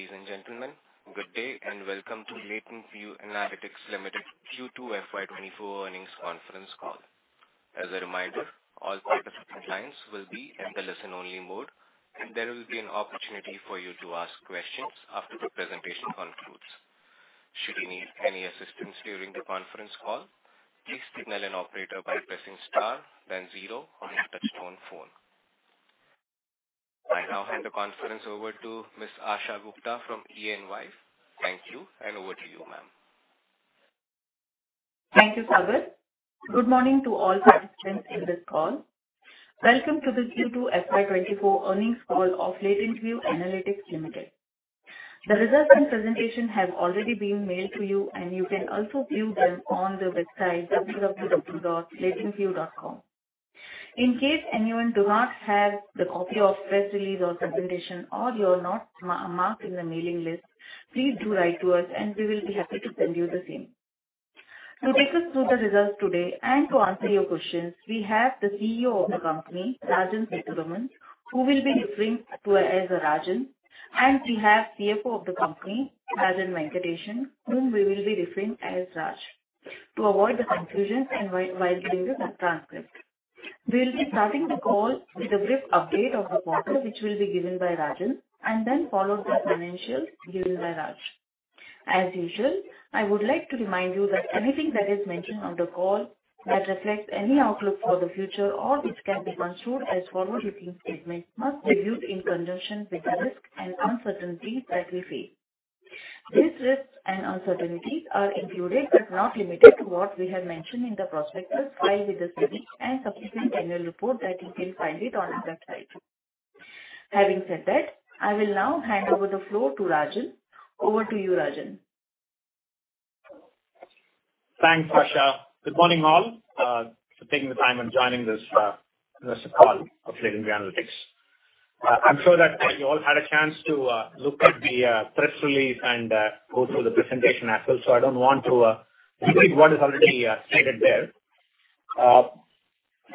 Ladies and gentlemen, good day and welcome to LatentView Analytics Limited Q2 FY 2024 earnings conference call. As a reminder, all participants' lines will be in the listen-only mode, and there will be an opportunity for you to ask questions after the presentation concludes. Should you need any assistance during the conference call, please signal an operator by pressing star then zero on your touchtone phone. I now hand the conference over to Ms. Asha Gupta from EY. Thank you, and over to you, ma'am. Thank you, Sagar. Good morning to all participants in this call. Welcome to the Q2 FY 2024 earnings call of LatentView Analytics Limited. The results and presentation have already been mailed to you, and you can also view them on the website www.latentview.com. In case anyone do not have the copy of press release or presentation, or you're not marked in the mailing list, please do write to us, and we will be happy to send you the same. To take us through the results today and to answer your questions, we have the CEO of the company, Rajan Sethuraman, who we'll be referring to as Rajan, and we have CFO of the company, Rajan Venkatesan, whom we will be referring as Raj, to avoid the confusions and while reading the transcript. We'll be starting the call with a brief update of the quarter, which will be given by Rajan, and then followed by financials given by Raj. As usual, I would like to remind you that anything that is mentioned on the call that reflects any outlook for the future or which can be construed as forward-looking statement, must be viewed in conjunction with the risk and uncertainty that we face. These risks and uncertainties are included, but not limited to, what we have mentioned in the prospectus filed with the SEBI and subsequent annual report that you can find it on our site. Having said that, I will now hand over the floor to Rajan. Over to you, Rajan. Thanks, Asha. Good morning, all, for taking the time and joining this call of Latent View Analytics. I'm sure that you all had a chance to look at the press release and go through the presentation as well. I don't want to repeat what is already stated there.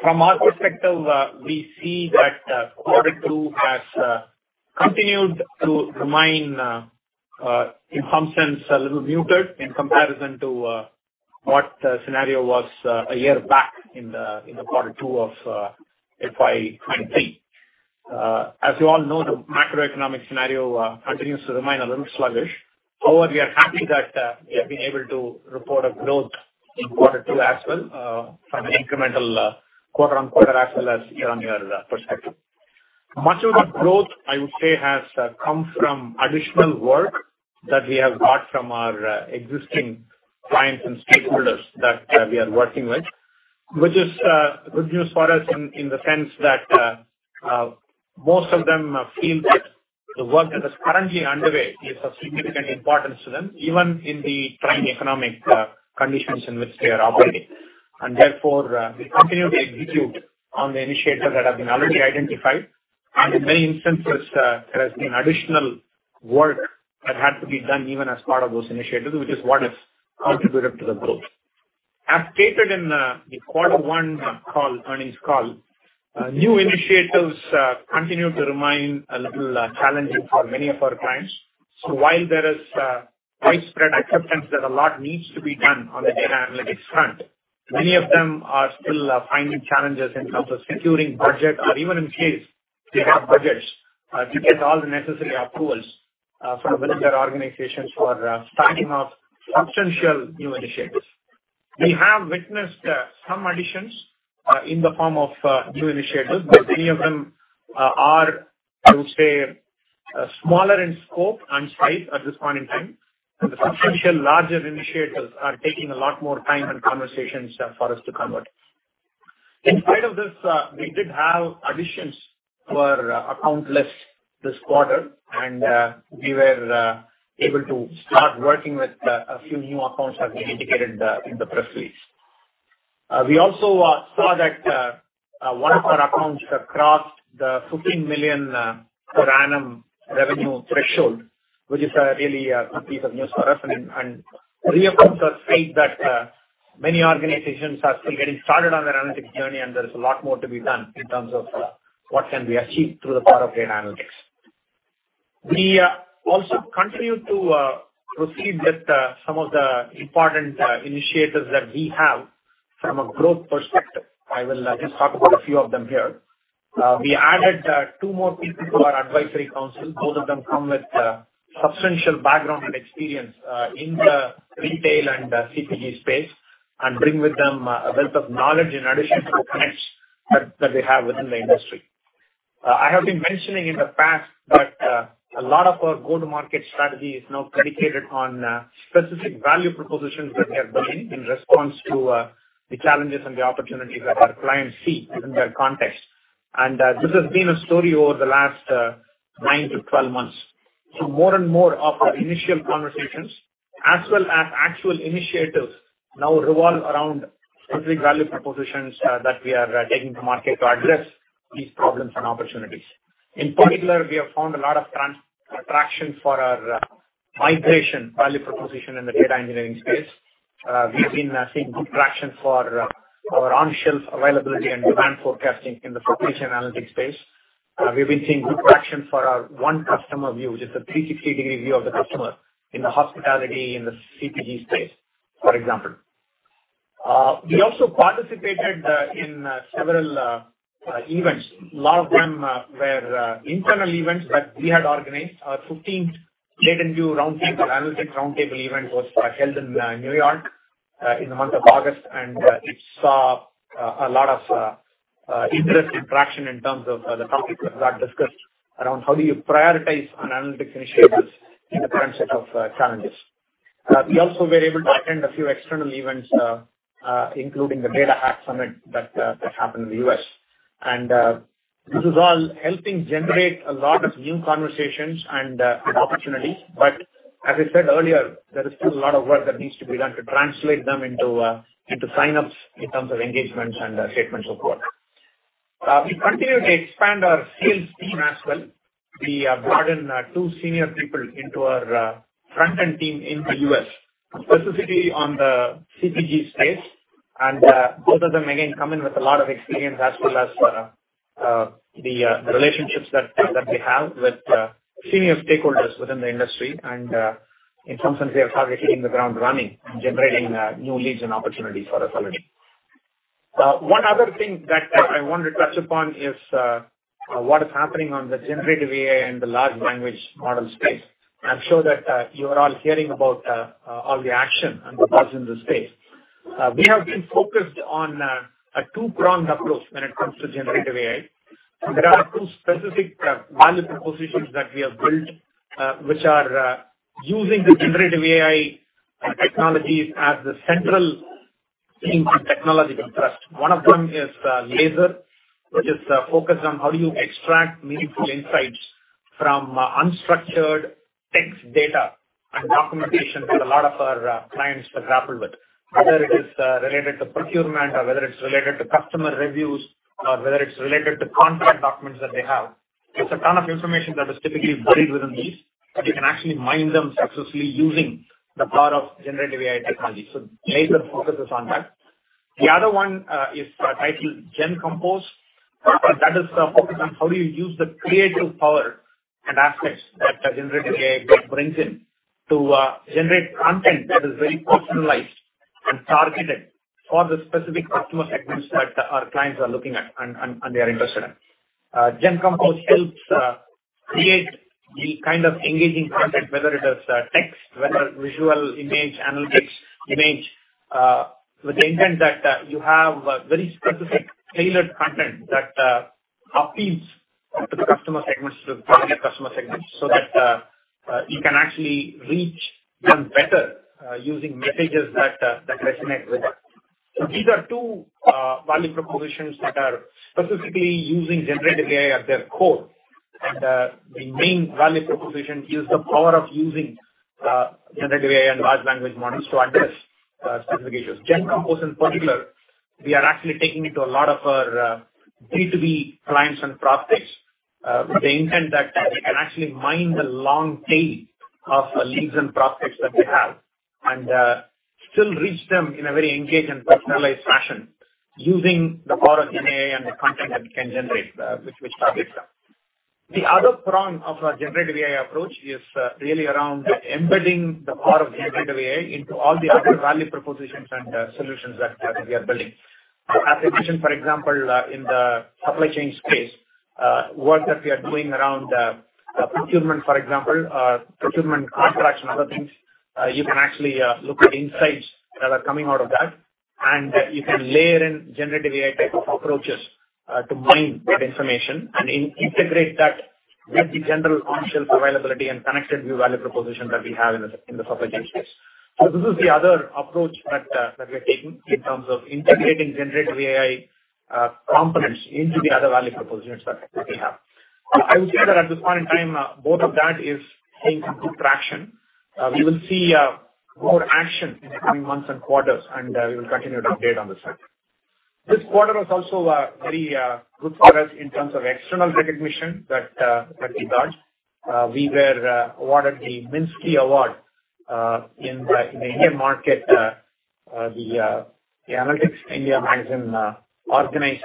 From our perspective, we see that quarter two has continued to remain, in some sense, a little muted in comparison to what the scenario was a year back in quarter two of FY 2023. As you all know, the macroeconomic scenario continues to remain a little sluggish. However, we are happy that we have been able to report a growth in quarter two as well, from an incremental quarter-on-quarter as well as year-on-year perspective. Much of the growth, I would say, has come from additional work that we have got from our existing clients and stakeholders that we are working with. Which is good news for us in the sense that most of them feel that the work that is currently underway is of significant importance to them, even in the current economic conditions in which they are operating. Therefore, we continue to execute on the initiatives that have been already identified. In many instances, there has been additional work that had to be done even as part of those initiatives, which is what has contributed to the growth. As stated in the quarter one earnings call, new initiatives continue to remain a little challenging for many of our clients. So while there is widespread acceptance that a lot needs to be done on the data analytics front, many of them are still finding challenges in terms of securing budget or even in case they have budgets to get all the necessary approvals from within their organizations for starting off substantial new initiatives. We have witnessed some additions in the form of new initiatives, but many of them are, I would say, smaller in scope and size at this point in time, and the substantial larger initiatives are taking a lot more time and conversations for us to convert. In spite of this, we did have additions to our account list this quarter, and we were able to start working with a few new accounts, as we indicated in the press release. We also saw that one of our accounts crossed the $15 million per annum revenue threshold, which is really a good piece of news for us. It reaffirms the fact that many organizations are still getting started on their analytics journey, and there is a lot more to be done in terms of what can be achieved through the power of data analytics. We also continue to proceed with some of the important initiatives that we have from a growth perspective. I will just talk about a few of them here. We added two more people to our advisory council. Both of them come with substantial background and experience in the retail and CPG space, and bring with them a wealth of knowledge in addition to the connections that they have within the industry. I have been mentioning in the past that a lot of our go-to-market strategy is now dedicated on specific value propositions that we have built in response to the challenges and the opportunities that our clients see within their context. And this has been a story over the last nine to 12 months. So more and more of our initial conversations, as well as actual initiatives, now revolve around specific value propositions that we are taking to market to address these problems and opportunities. In particular, we have found a lot of traction for our migration value proposition in the data engineering space. We've been seeing good traction for our on-shelf availability and demand forecasting in the population analytics space. We've been seeing good traction for our one customer view, which is a 360-degree view of the customer in the hospitality, in the CPG space, for example. We also participated in several events. A lot of them were internal events that we had organized. Our 15th LatentView Analytics Roundtable event was held in New York in the month of August, and it saw a lot of interest and traction in terms of the topics that got discussed around how do you prioritize on analytics initiatives in the current set of challenges. We also were able to attend a few external events, including the DataHack Summit that happened in the U.S. This is all helping generate a lot of new conversations and opportunities. As I said earlier, there is still a lot of work that needs to be done to translate them into sign-ups in terms of engagements and statements of work. We continue to expand our sales team as well. We brought in two senior people into our front-end team in the U.S., specifically on the CPG space. Both of them, again, come in with a lot of experience, as well as the relationships that they have with senior stakeholders within the industry. In some sense, they are hitting the ground running and generating new leads and opportunities for us already. One other thing that I want to touch upon is what is happening on the generative AI and the large language model space. I'm sure that you are all hearing about all the action and the buzz in the space. We have been focused on a two-pronged approach when it comes to generative AI. There are two specific value propositions that we have built, which are using the Generative AI technologies as the central thing for technological trust. One of them is LASER, which is focused on how do you extract meaningful insights from unstructured text data and documentation that a lot of our clients grapple with. Whether it is related to procurement or whether it's related to customer reviews, or whether it's related to contract documents that they have. It's a ton of information that is typically buried within these, but you can actually mine them successfully using the power of Generative AI technology. So LASER focuses on that. The other one is titled GenCompose. That is focused on how do you use the creative power and aspects that a Generative AI brings in to generate content that is very personalized and targeted for the specific customer segments that our clients are looking at and they are interested in. GenCompose helps create the kind of engaging content, whether it is text, whether visual image, analytics image, with the intent that you have a very specific tailored content that appeals to the customer segments, to target customer segments, so that you can actually reach them better using messages that resonate with them. So these are two value propositions that are specifically using Generative AI at their core, and the main value proposition is the power of using Generative AI and Large Language Models to address specific issues. GenCompose, in particular, we are actually taking it to a lot of our B2B clients and prospects with the intent that they can actually mine the long tail of the leads and prospects that they have, and still reach them in a very engaged and personalized fashion, using the power of AI and the content that we can generate which targets them. The other prong of our Generative AI approach is really around embedding the power of Generative AI into all the other value propositions and solutions that we are building. As I mentioned, for example, in the supply chain space, work that we are doing around procurement, for example, procurement contracts and other things, you can actually look at insights that are coming out of that, and you can layer in generative AI type of approaches to mine that information and integrate that with the general On-Shelf Availability and ConnectedView value proposition that we have in the supply chain space. So this is the other approach that we are taking in terms of integrating generative AI components into the other value propositions that we have. I would say that at this point in time, both of that is seeing some good traction. We will see more action in the coming months and quarters, and we will continue to update on the same. This quarter was also very good for us in terms of external recognition that we got. We were awarded the Minsky Award in the India market. The Analytics India Magazine organized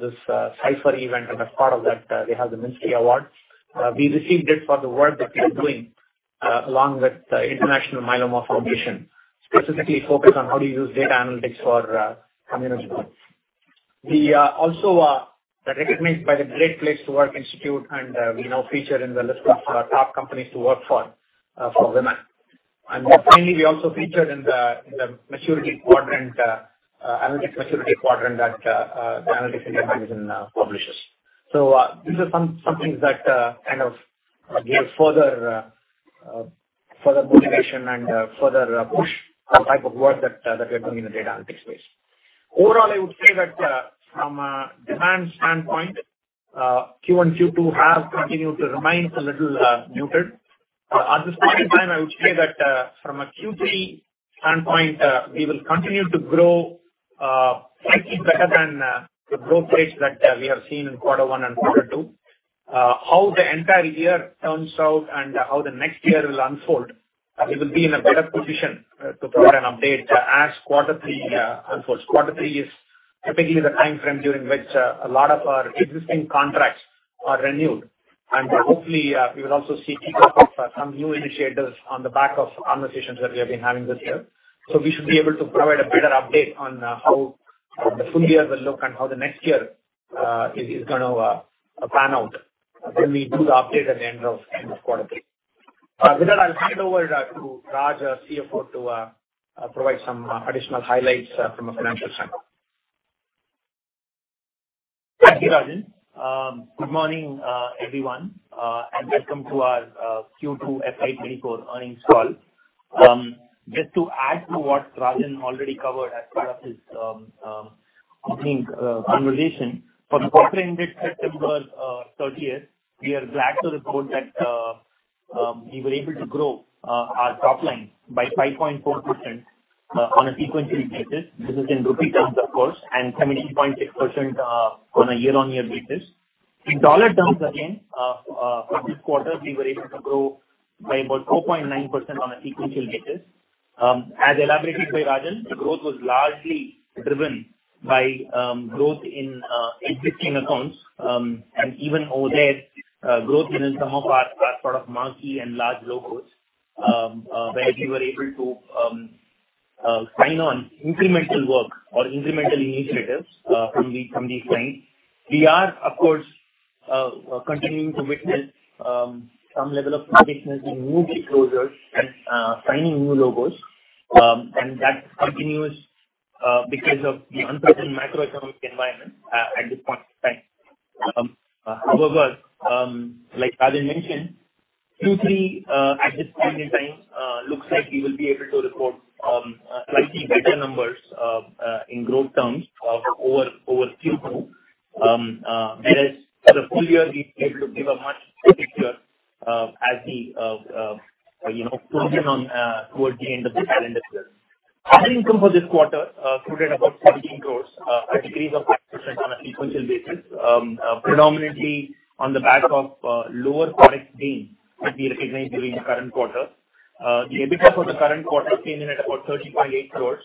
this Cypher event, and as part of that, they have the Minsky Award. We received it for the work that we are doing along with the International Myeloma Foundation, specifically focused on how to use data analytics for immunogenomics. We are also recognized by the Great Place to Work Institute, and we now feature in the list of top companies to work for women. And finally, we also featured in the maturity quadrant, analytics maturity quadrant that the Analytics India Magazine publishes. So, these are some things that kind of give further motivation and further push type of work that we're doing in the data analytics space. Overall, I would say that, from a demand standpoint, Q1, Q2 have continued to remain a little muted. At this point in time, I would say that, from a Q3 standpoint, we will continue to grow, slightly better than the growth rates that we have seen in quarter one and quarter two. How the entire year turns out and how the next year will unfold, we will be in a better position to provide an update as quarter three unfolds. Quarter three is typically the timeframe during which a lot of our existing contracts are renewed. Hopefully, we will also see kickoff of some new initiatives on the back of conversations that we have been having this year. We should be able to provide a better update on how the full year will look and how the next year is gonna pan out when we do the update at the end of quarter three. With that, I'll hand it over to Raj, our CFO, to provide some additional highlights from a financial standpoint. Thank you, Rajan. Good morning, everyone, and welcome to our Q2 FY 2024 earnings call. Just to add to what Rajan already covered as part of his opening conversation. For the quarter ended September thirtieth, we are glad to report that we were able to grow our top line by 5.4% on a sequential basis. This is in INR terms, of course, and 17.6% on a year-on-year basis. In dollar terms, again, for this quarter, we were able to grow by about 4.9% on a sequential basis. As elaborated by Rajan, the growth was largely driven by growth in existing accounts. Even over there, growth in some of our sort of marquee and large logos, where we were able to sign on incremental work or incremental initiatives from these clients. We are, of course, continuing to witness some level of caution in new deal closures and signing new logos. That continues because of the uncertain macroeconomic environment at this point in time. However, like Rajan mentioned, Q3 at this point in time looks like we will be able to report slightly better numbers in growth terms over Q2. As for the full year, we'll be able to give a much clearer picture as we, you know, close in on towards the end of this calendar year. Our income for this quarter included about 17 crore, a decrease of 5% on a sequential basis. Predominantly on the back of lower foreign exchange that we recognized during the current quarter. The EBITDA for the current quarter came in at about 13.8 crore,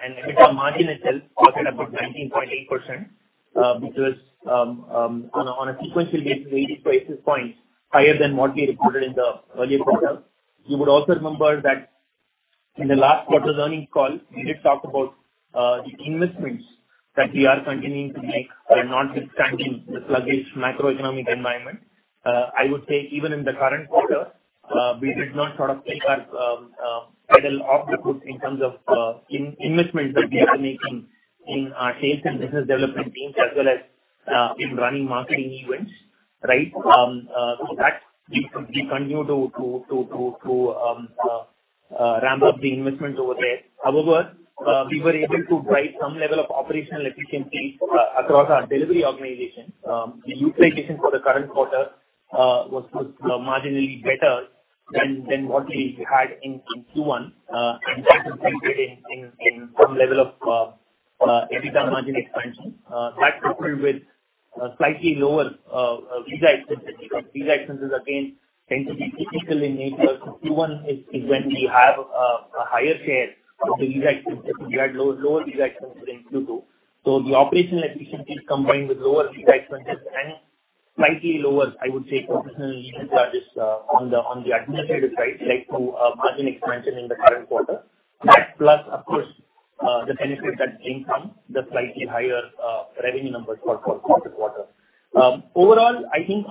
and EBITDA margin itself was at about 19.8%, which was, on a sequential basis, 80 basis points higher than what we reported in the earlier quarter. You would also remember that in the last quarter's earnings call, we did talk about the investments that we are continuing to make, notwithstanding the sluggish macroeconomic environment. I would say even in the current quarter, we did not sort of take our pedal off the foot in terms of investments that we are making in our sales and business development teams, as well as in running marketing events, right? So that we continue to ramp up the investments over there. However, we were able to drive some level of operational efficiency across our delivery organization. The utilization for the current quarter was marginally better than what we had in Q1. And that reflected in some level of EBITDA margin expansion. That coupled with slightly lower visa expenses. Visa expenses again tend to be cyclical in nature. So Q1 is when we have a higher share of the visa expenses. We had lower visa expenses in Q2. So the operational efficiencies combined with lower visa expenses and slightly lower, I would say, operational charges on the administrative side, led to margin expansion in the current quarter. That plus, of course, the benefit that came from the slightly higher revenue numbers for this quarter. Overall, I think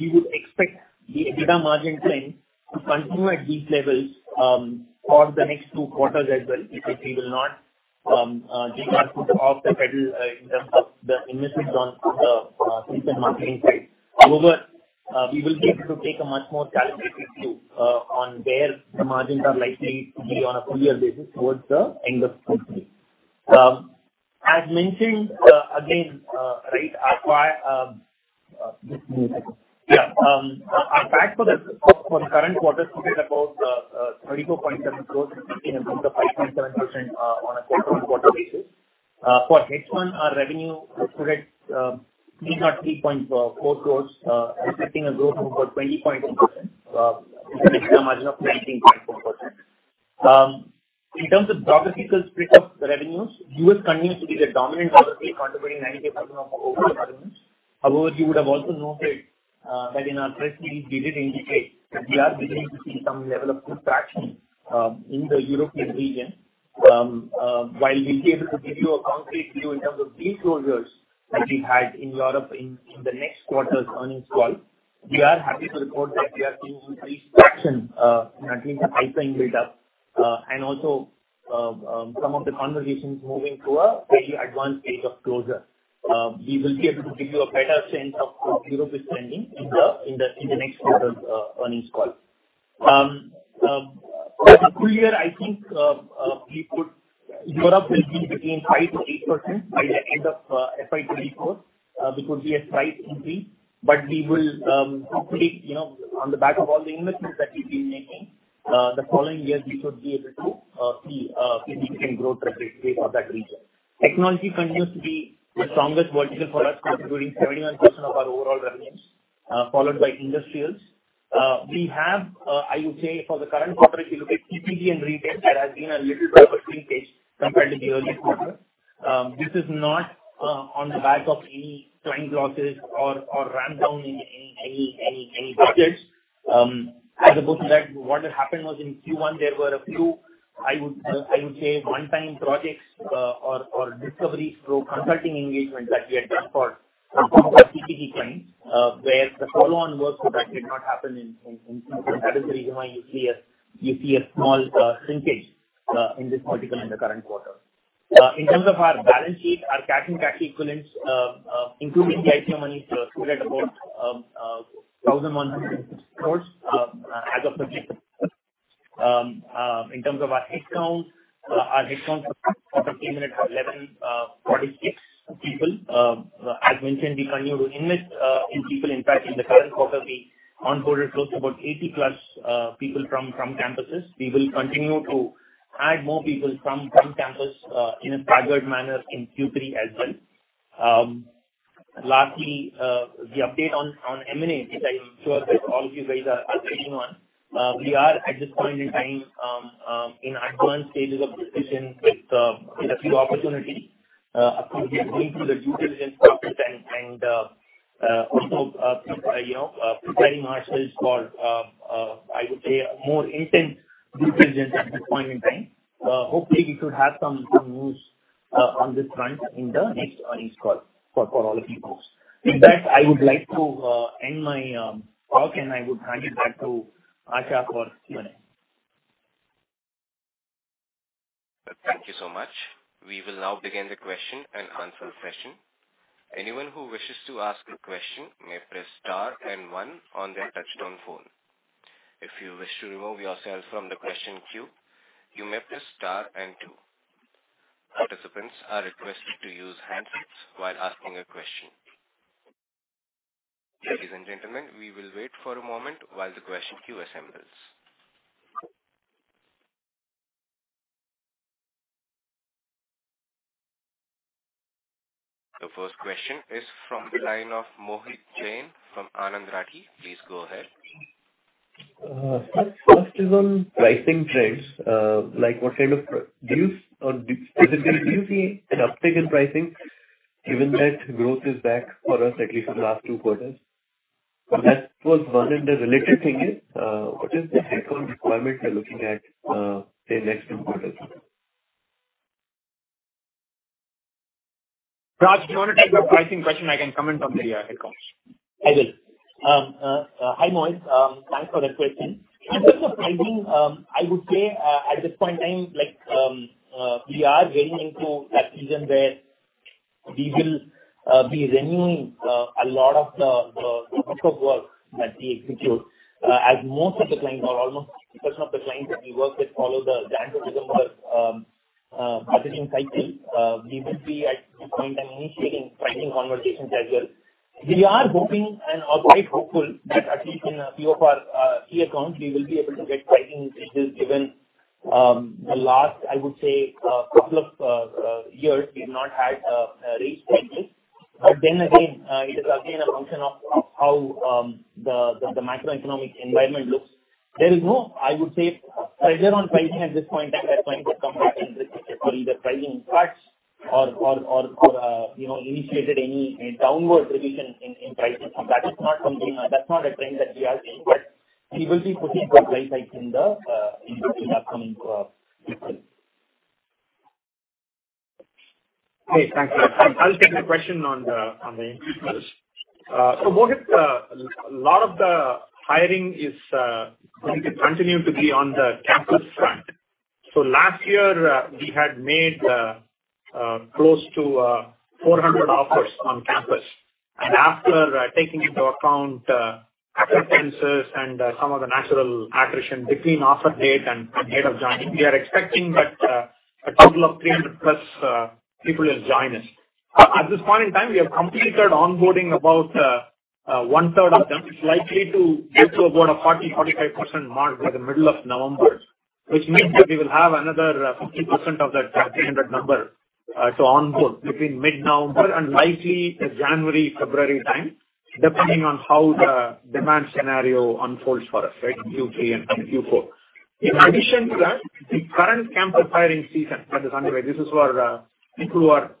we would expect the EBITDA margin trend to continue at these levels for the next two quarters as well, because we will not take our foot off the pedal in terms of the investments on the sales and marketing side. However, we will be able to take a much more calibrated view on where the margins are likely to be on a full year basis towards the end of Q3. As mentioned again, right, our guide, our guide for the current quarter is about 34.7 crore, representing a growth of 5.7% quarter-on-quarter. For H1, our revenue should be at 33.4 crore, expecting a growth of about 20.2%, with an EBITDA margin of 19.4%. In terms of geographical split of revenues, the U.S. continues to be the dominant geography, contributing 90% of our overall revenues. However, you would have also noted that in our press release, we did indicate that we are beginning to see some level of good traction in the European region. While we'll be able to give you a concrete view in terms of deal closures that we had in Europe in the next quarter's earnings call, we are happy to report that we are seeing good traction in at least the pipeline build-up. And also, some of the conversations moving to a very advanced stage of closure. We will be able to give you a better sense of what Europe is trending in the next quarter's earnings call. For the full year, I think, Europe will be between 5%-8% by the end of FY 2024. We could be at five in three, but we will, hopefully, you know, on the back of all the investments that we've been making, the following years, we should be able to see significant growth rate for that region. Technology continues to be the strongest vertical for us, contributing 71% of our overall revenues, followed by industrials. We have, I would say for the current quarter, if you look at CPG and retail, there has been a little bit of a shrinkage compared to the earlier quarter. This is not on the back of any client losses or ramp down in any budgets. As opposed to that, what had happened was in Q1, there were a few, I would, I would say, one-time projects, or, or discovery through consulting engagement that we had done for some of our CPG clients, where the follow-on work for that did not happen in, in, in Q1. That is the reason why you see a, you see a small, shrinkage, in this vertical in the current quarter. In terms of our balance sheet, our cash and cash equivalents, including the IPO monies, stood at about, thousand one hundred crores, as of September. In terms of our headcounts, our headcounts for the quarter ended at 1,146 people. As mentioned, we continue to invest, in people. In fact, in the current quarter, we onboarded close to about 80+ people from campuses. We will continue to add more people from campus in a staggered manner in Q3 as well. Lastly, the update on M&A, as I'm sure that all of you guys are sitting on. We are at this point in time in advanced stages of discussion with a few opportunities. Of course, we are going through the due diligence process and also, you know, preparing ourselves for, I would say, a more intense due diligence at this point in time. Hopefully, we should have some news on this front in the next earnings call for all of you folks. With that, I would like to end my talk, and I would hand it back to Asha for Q&A. Thank you so much. We will now begin the question and answer session. Anyone who wishes to ask a question may press star and one on their touchtone phone. If you wish to remove yourself from the question queue, you may press star and two. Participants are requested to use handsets while asking a question. Ladies and gentlemen, we will wait for a moment while the question queue assembles. The first question is from the line of Mohit Jain from Anand Rathi. Please go ahead. First, first is on pricing trends. Like, what kind of do you or specifically, do you see an uptick in pricing given that growth is back for us, at least for the last two quarters? That was one, and the related thing is, what is the headcount requirement you're looking at, say, next two quarters? Raj, do you want to take the pricing question? I can comment on the headcounts. I will. Hi, Mohit. Thanks for that question. In terms of pricing, I would say, at this point in time, like, we are getting into that season where we will be renewing a lot of the work that we execute. As most of the clients or almost percent of the clients that we work with follow the calendar year model budgeting cycle, we will be at this point in time initiating pricing conversations as well. We are hoping and are quite hopeful that at least in a few of our key accounts, we will be able to get pricing increases, given the last, I would say, couple of years, we've not had a raise pricing. But then again, it is again a function of how the macroeconomic environment looks. There is no, I would say, pressure on pricing at this point in time, that clients have come back and requested for either pricing cuts or you know, initiated any downward revision in pricing. That is not something. That's not a trend that we are seeing, but we will be putting the price hike in the upcoming quarter. Okay, thank you. I'll take the question on the headcounts. So Mohit, a lot of the hiring is, we continue to be on the campus front. So last year, we had made close to 400 offers on campus. And after taking into account acceptances and some of the natural attrition between offer date and date of joining, we are expecting that a total of 300 plus people will join us. At this point in time, we have completed onboarding about 1/3 of them. It's likely to get to about a 40%-45% mark by the middle of November, which means that we will have another 50% of that 300 number to onboard between mid-November and likely January, February time, depending on how the demand scenario unfolds for us, right, in Q3 and Q4. In addition to that, the current campus hiring season that is underway. This is for people who are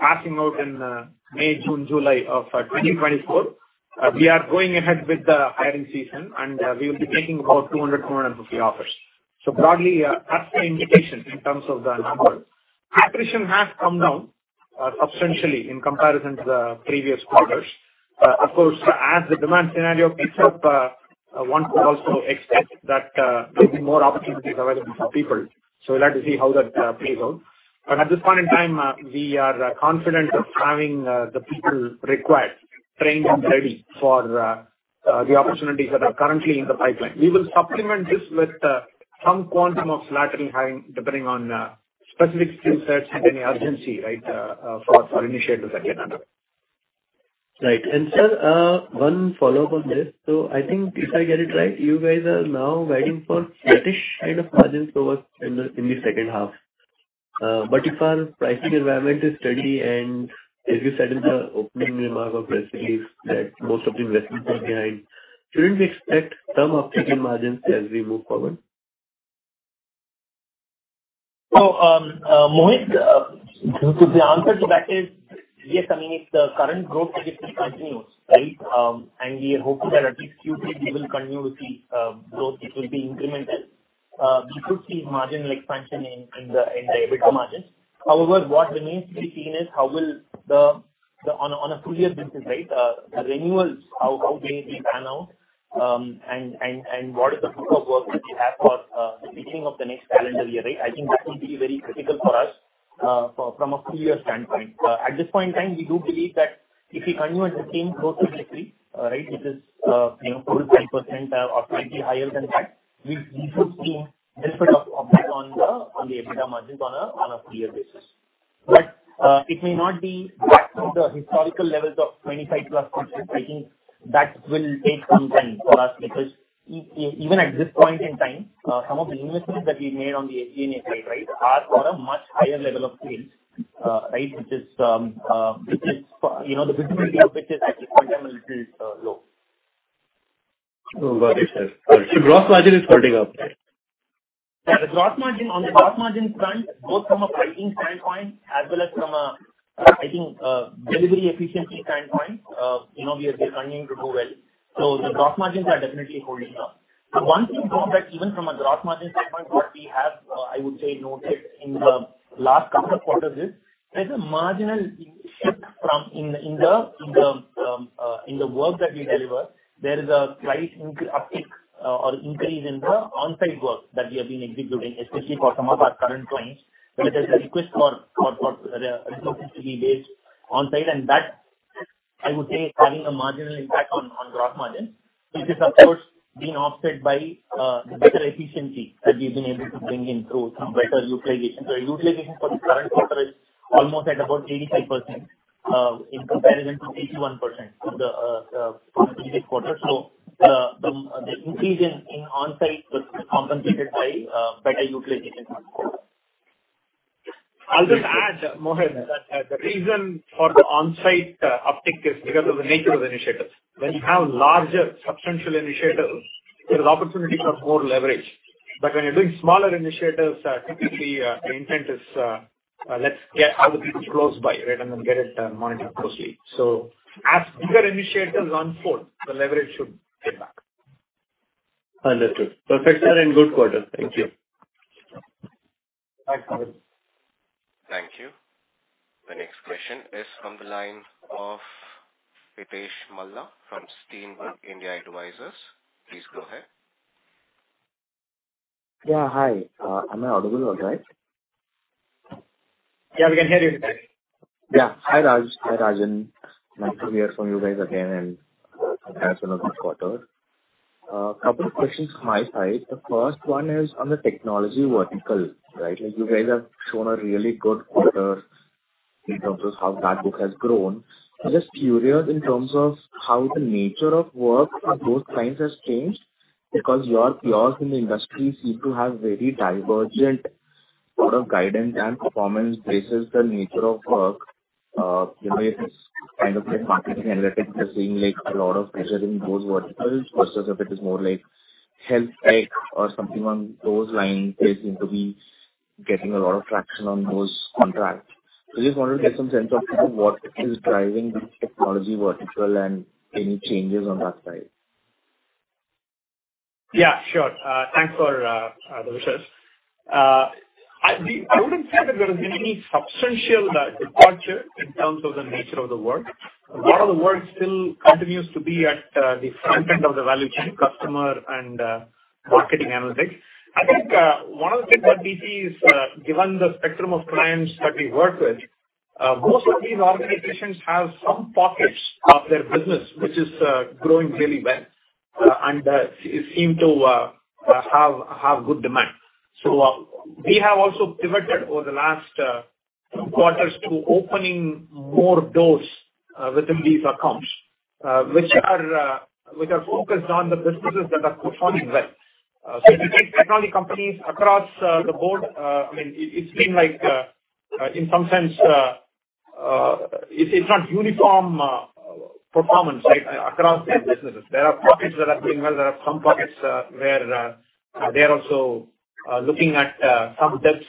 passing out in May, June, July of 2024. We are going ahead with the hiring season, and we will be making about 200-250 offers. So broadly, that's the indication in terms of the numbers. Attrition has come down substantially in comparison to the previous quarters. Of course, as the demand scenario picks up, one could also expect that there'll be more opportunities available for people. So we'll have to see how that plays out. But at this point in time, we are confident of having the people required trained and ready for the opportunities that are currently in the pipeline. We will supplement this with some quantum of laterally hiring, depending on specific skill sets and any urgency, right, for initiatives that get underway. Right. And, sir, one follow-up on this. So I think if I get it right, you guys are now waiting for softer kind of margins over in the second half. But if our pricing environment is steady, and as you said in the opening remark of press release, that most of the investments are behind, shouldn't we expect some uptick in margins as we move forward? Mohit, the answer to that is yes. I mean, if the current growth trajectory continues, right? I mean, we are hopeful that at least Q3 will continue with the growth, it will be implemented. We could see marginal expansion in the EBITDA margins. However, what remains to be seen is how will the. On a full year basis, right? The renewals, how may we pan out, and what is the book of work that we have for the beginning of the next calendar year, right? I think that will be very critical for us from a full year standpoint. At this point in time, we do believe that if we continue at the same growth trajectory, right, which is, you know, 4%-5% or slightly higher than that, we should see benefit of this on the EBITDA margins on a full year basis. But it may not be back to the historical levels of 25%+. I think that will take some time for us, because even at this point in time, some of the investments that we made on the AE site, right, are for a much higher level of change, right, which is, you know, the visibility of which is at this point in time a little low. Oh, got it, sir. The gross margin is holding up, right? Yeah, the gross margin. On the gross margin front, both from a pricing standpoint as well as from a, I think, delivery efficiency standpoint, you know, we are, we are continuing to do well. So the gross margins are definitely holding up. But one thing, Mohit, even from a gross margin standpoint, what we have, I would say, noted in the last couple of quarters is, there's a marginal shift from in the, in the, in the, in the work that we deliver. There is a slight uptick, or increase in the on-site work that we have been executing, especially for some of our current clients, where there's a request for, for, for resources to be based on-site. And that, I would say, is having a marginal impact on gross margin, which is of course being offset by the better efficiency that we've been able to bring in through some better utilization. So utilization for the current quarter is almost at about 85%, in comparison to 81% of the previous quarter. So the increase in on-site was compensated by better utilization. I'll just add, Mohit, that, the reason for the on-site, uptick is because of the nature of the initiatives. When you have larger, substantial initiatives, there is opportunity for more leverage. But when you're doing smaller initiatives, typically, the intent is, let's get all the people close by, right, and then get it, monitored closely. So as bigger initiatives unfold, the leverage should get back. Understood. Perfect, sir, and good quarter. Thank you. Bye, Mohit. Thank you. The next question is on the line of Hitesh Malla from Steinberg India Advisors. Please go ahead. Yeah, hi. Am I audible all right? Yeah, we can hear you, Hitesh. Yeah. Hi, Raj. Hi, Rajan. Nice to hear from you guys again, and have a good quarter. A couple of questions from my side. The first one is on the technology vertical, right? Like, you guys have shown a really good quarter in terms of how that book has grown. I'm just curious in terms of how the nature of work of those clients has changed, because your peers in the industry seem to have very divergent sort of guidance and performance versus the nature of work. You know, it's kind of like marketing analytics. We're seeing, like, a lot of pressure in those verticals versus if it is more like health tech or something on those lines, they seem to be getting a lot of traction on those contracts. I just wanted to get some sense of kind of what is driving this technology vertical and any changes on that side. Yeah, sure. Thanks for the questions. I wouldn't say that there has been any substantial departure in terms of the nature of the work. A lot of the work still continues to be at the front end of the value chain, customer and marketing analytics. I think one of the things that we see is, given the spectrum of clients that we work with, most of these organizations have some pockets of their business, which is growing really well, and seem to have good demand. So, we have also pivoted over the last quarters to opening more doors within these accounts, which are focused on the businesses that are performing well. So you take technology companies across the board. I mean, it's been like, in some sense, it's not uniform performance, right, across their businesses. There are pockets that are doing well. There are some pockets where they are also looking at some depths,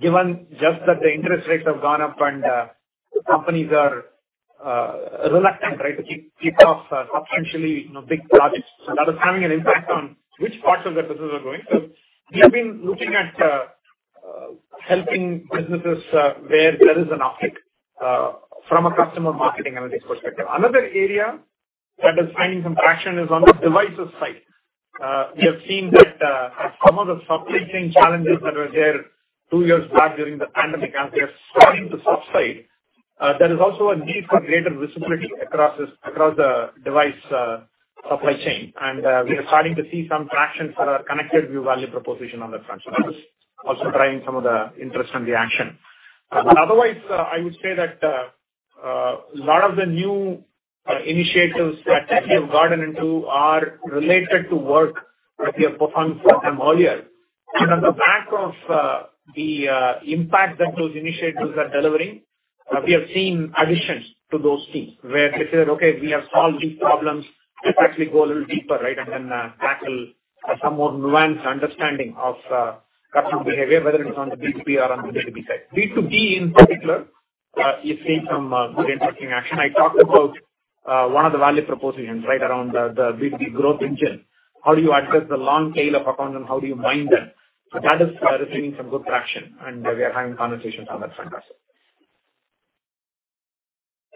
given just that the interest rates have gone up and companies are reluctant, right, to kick off substantially, you know, big projects. So that is having an impact on which parts of the business are growing. So we have been looking at helping businesses where there is an uptick from a customer marketing analytics perspective. Another area that is finding some traction is on the devices side. We have seen that some of the supply chain challenges that were there two years back during the pandemic, and they are starting to subside. There is also a need for greater visibility across this, across the device supply chain. We are starting to see some traction for our ConnectedView value proposition on that front. That is also driving some of the interest and the action. Otherwise, I would say that a lot of the new initiatives that we have gotten into are related to work that we have performed for them earlier. On the back of the impact that those initiatives are delivering, we have seen additions to those teams where they say: Okay, we have solved these problems. Let's actually go a little deeper, right? Then tackle some more nuanced understanding of customer behavior, whether it is on the B2B or on the B2C side. B2B, in particular, is seeing some good interesting action. I talked about one of the value propositions, right, around the B2B growth engine. How do you address the long tail of account, and how do you mine them? So that is receiving some good traction, and we are having conversations on that front as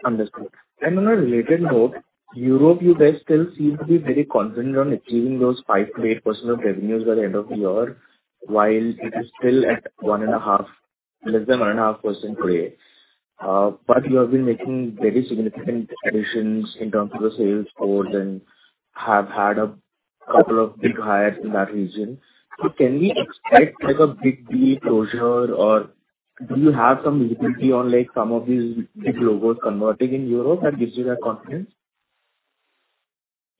well. Understood. And on a related note, Europe, you guys still seem to be very confident on achieving those 5%-8% of revenues by the end of the year, while it is still at 1.5% less than 1.5% today. But you have been making very significant additions in terms of the sales force and have had a couple of big hires in that region. So can we expect, like, a big deal closure, or do you have some visibility on, like, some of these big logos converting in Europe that gives you that confidence?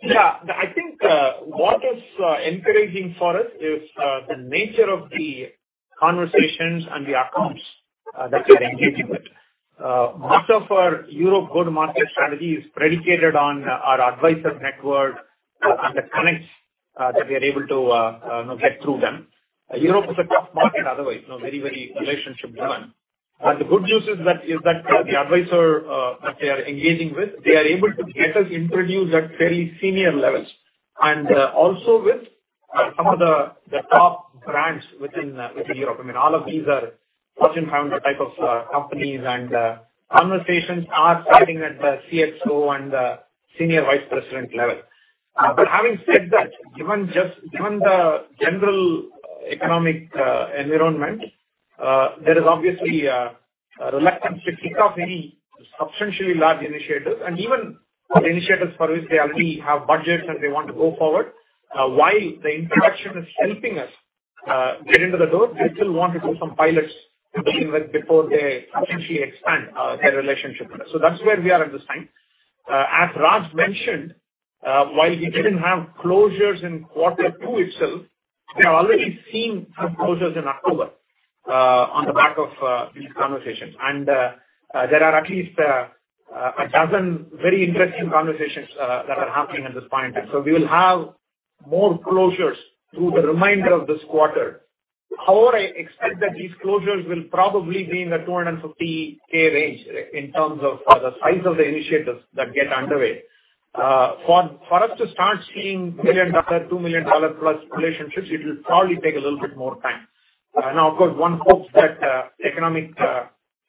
Yeah, I think what is encouraging for us is the nature of the conversations and the accounts that we are engaging with. Much of our Europe go-to-market strategy is predicated on our advisor network and the connects that we are able to, you know, get through them. Europe is a tough market otherwise, you know, very, very relationship-driven. The good news is that the advisors that they are engaging with are able to get us introduced at very senior levels, and also with some of the top brands within Europe. I mean, all of these are Fortune 500 type of companies, and conversations are starting at the CXO and senior vice president level. Having said that, given just—given the general economic environment, there is obviously a reluctance to kick off any substantially large initiatives. Even the initiatives for which they already have budgets and they want to go forward, while the introduction is helping us get into the door, they still want to do some pilots to begin with, before they essentially expand their relationship with us. That's where we are at this time. As Raj mentioned, while we didn't have closures in quarter two itself, we have already seen some closures in October on the back of these conversations. There are at least a dozen very interesting conversations that are happening at this point in time. We will have more closures through the remainder of this quarter. However, I expect that these closures will probably be in the 250,000 range, in terms of the size of the initiatives that get underway. For us to start seeing $1 million, $2 million plus relationships, it will probably take a little bit more time. Now, of course, one hopes that economic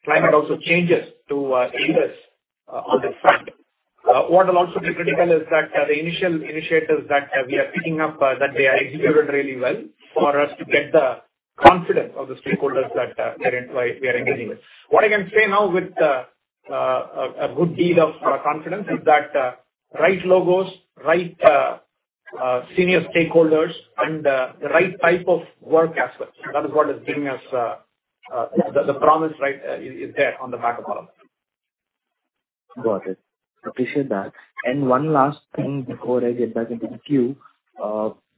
climate also changes to aid us on this front. What will also be critical is that the initial initiatives that we are picking up that they are executed really well for us to get the confidence of the stakeholders that we are engaging with. What I can say now with a good deal of confidence is that right logos, right senior stakeholders and the right type of work as well. That is what is giving us the promise, right, is there on the back of all of it. Got it. Appreciate that. And one last thing before I get back into the queue.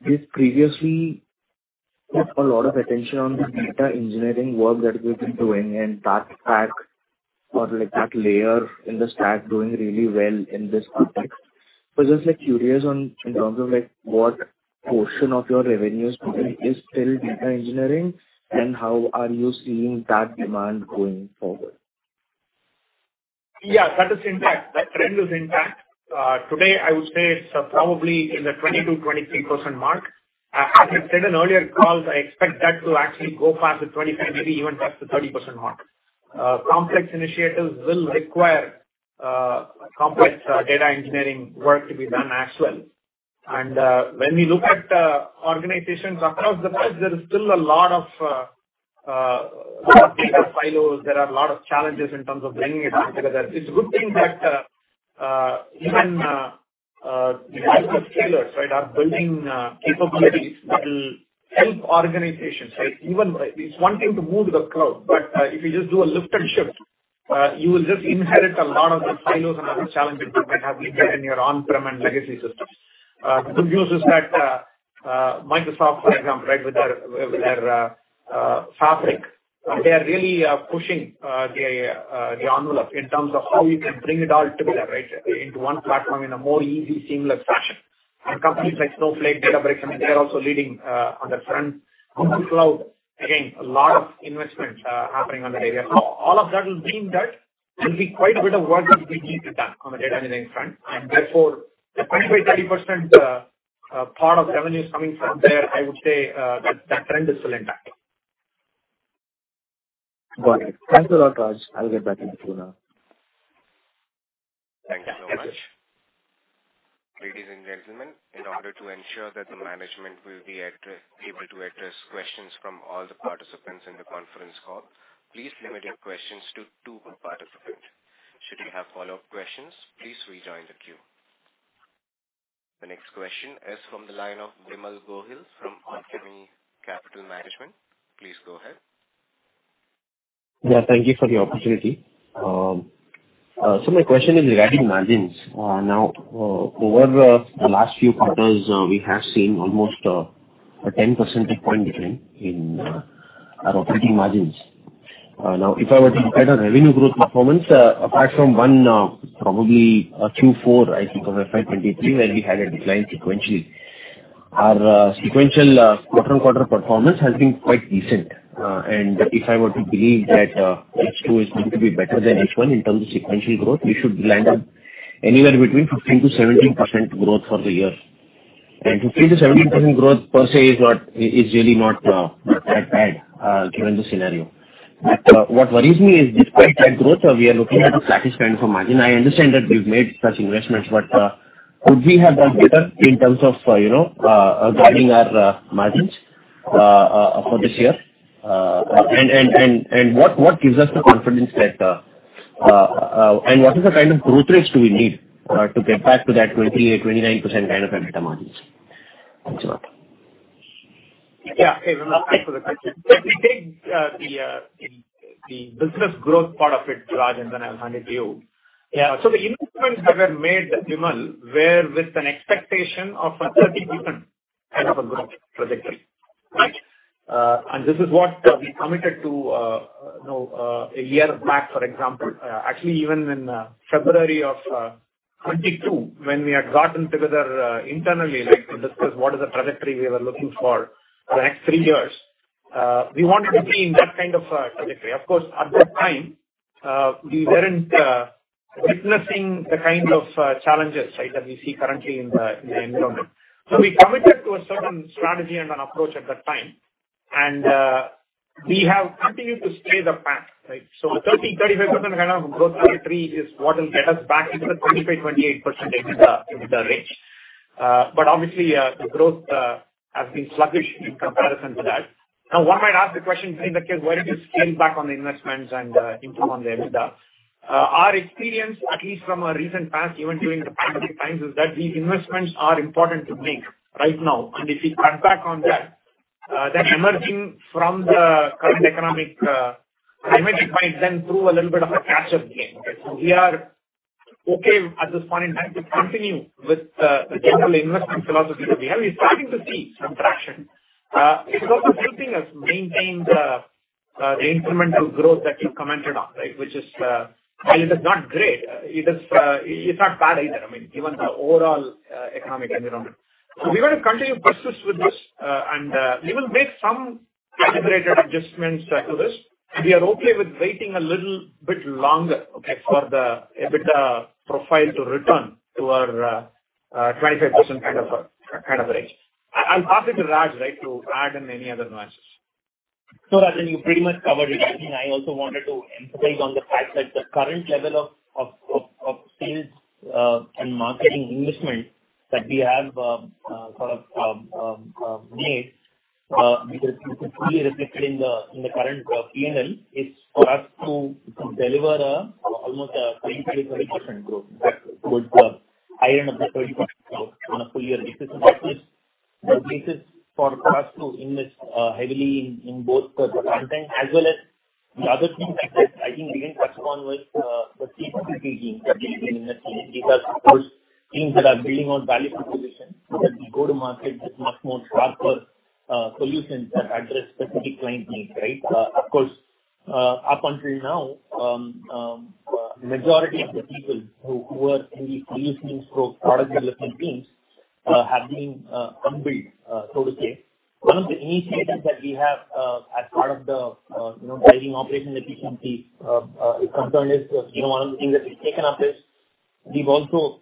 We've previously put a lot of attention on the data engineering work that we've been doing, and that stack or, like, that layer in the stack doing really well in this context. But just, like, curious on, in terms of, like, what portion of your revenues today is still data engineering, and how are you seeing that demand going forward? Yeah, that is intact. That trend is intact. Today, I would say it's probably in the 20%-23% mark. As I said in earlier calls, I expect that to actually go past the 25, maybe even past the 30% mark. Complex initiatives will require complex data engineering work to be done as well. When we look at organizations across the board, there is still a lot of data silos. There are a lot of challenges in terms of bringing it all together. It's a good thing that even right are building capabilities that will help organizations, right? It's one thing to move to the cloud, but if you just do a lift and shift, you will just inherit a lot of the silos and other challenges you might have leaked in your on-prem and legacy systems. Good news is that Microsoft, for example, right, with their, with their, Fabric, they are really pushing the, the envelope in terms of how you can bring it all together, right, into one platform in a more easy, seamless fashion. And companies like Snowflake, Databricks, they are also leading on that front. Google Cloud, again, a lot of investments happening on that area. So all of that will mean that there'll be quite a bit of work that will be needed done on the data engineering front, and therefore, the 20%-30% part of revenues coming from there, I would say, that trend is still intact. Got it. Thanks a lot, Raj. I'll get back into the queue now. Thanks so much. Ladies and gentlemen, in order to ensure that the management will be able to address questions from all the participants in the conference call, please limit your questions to two per participant. Should you have follow-up questions, please rejoin the queue. The next question is from the line of Vimal Gohil from Alchemy Capital Management. Please go ahead. Yeah, thank you for the opportunity. So my question is regarding margins. Now, over the last few quarters, we have seen almost a 10 percentage point decline in our operating margins. Now, if I were to look at our revenue growth performance, apart from one probably Q4, I think, of FY 2023, where we had a decline sequentially. Our sequential quarter-on-quarter performance has been quite decent. And if I were to believe that H2 is going to be better than H1 in terms of sequential growth, we should land up anywhere between 15%-17% growth for the year. And to see the 17% growth per se is not is really not not that bad given the scenario. But what worries me is despite that growth, we are looking at a flat trend for margin. I understand that we've made such investments, but could we have done better in terms of, you know, guarding our margins for this year? And what gives us the confidence that. And what is the kind of growth rates do we need to get back to that 29% kind of EBITDA margins? Thanks a lot. Yeah, thanks for the question. Let me take the business growth part of it, Raj, and then I'll hand it to you. Yeah, so the investments that were made, Vimal, were with an expectation of a 30% kind of a growth trajectory, right? And this is what we committed to, you know, a year back, for example. Actually, even in February of 2022, when we had gotten together, internally, like, to discuss what is the trajectory we were looking for the next three years, we wanted to be in that kind of trajectory. Of course, at that time, we weren't witnessing the kind of challenges, right, that we see currently in the environment. So we committed to a certain strategy and an approach at that time, and we have continued to stay the path, right? So a 30%-35% kind of growth trajectory is what will get us back into the 25%-28% EBITDA range. But obviously, the growth has been sluggish in comparison to that. Now, one might ask the question, in that case, why don't you scale back on the investments and improve on the EBITDA? Our experience, at least from a recent past, even during the pandemic times, is that these investments are important to make right now. And if we cut back on that, then emerging from the current economic climate might then prove a little bit of a catch-up game, right? So we are okay at this point in time to continue with the general investment philosophy that we have. We're starting to see some traction. It's also helping us maintain the incremental growth that you commented on, right? Which is, while it is not great, it is, it's not bad either, I mean, given the overall economic environment. So we're gonna continue to persist with this, and we will make some calibrated adjustments to this. We are okay with waiting a little bit longer, okay, for the EBITDA profile to return to our 25% kind of a range. I'll pass it to Raj, right, to add in any other nuances. So Rajan, you pretty much covered it. I mean, I also wanted to emphasize on the fact that the current level of sales and marketing investment that we have sort of made, which is completely reflected in the current PNL, is for us to deliver almost a 20%-30% growth. That would higher end of the 30% growth on a full year basis. And this is the basis for us to invest heavily in both the content as well as the other things that I think we didn't touch upon was the capability teams that we are investing in. These are, of course, teams that are building out value proposition that we go to market with much more sharper solutions that address specific client needs, right? Of course, up until now, majority of the people who are in the solution scope product development teams have been unbilled, so to say. One of the initiatives that we have as part of the, you know, driving operation efficiency concern is, you know, one of the things that we've taken up is we've also